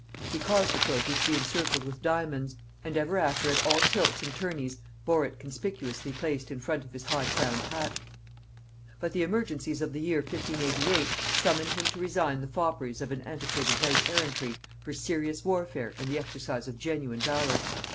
He caused the trophy to be encircled with diamonds, and ever after at all tilts and tourneys bore it conspicuously placed in front of his high crowned hat. But the emergencies of the year 1588 summoned him to resign the fopperies of an antiquated knight errantry for serious warfare and the exercise of genuine valor.